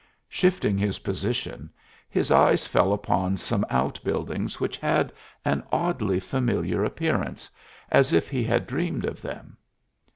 Shifting his position, his eyes fell upon some outbuildings which had an oddly familiar appearance, as if he had dreamed of them.